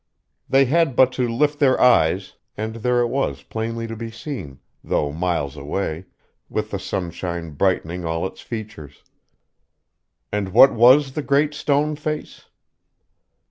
They had but to lift their eyes, and there it was plainly to be seen, though miles away, with the sunshine brightening all its features. And what was the Great Stone Face?